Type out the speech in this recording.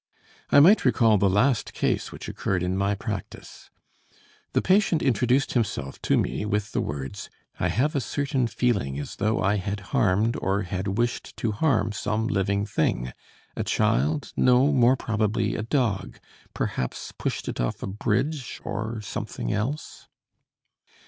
I might recall the last case which occurred in my practice. The patient introduced himself to me with the words, "I have a certain feeling as though I had harmed or had wished to harm some living thing a child? no, more probably a dog perhaps pushed it off a bridge or something else."